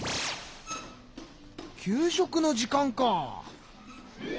給食の時間か。